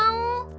jangan teriak ici